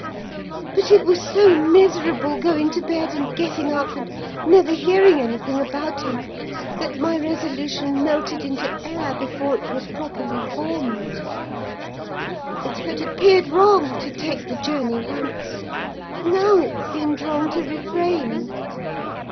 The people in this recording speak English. But it was so miserable going to bed and getting up, and never hearing anything about him, that my resolution melted into air before it was properly formed. It had appeared wrong to take the journey once; now it seemed wrong to refrain.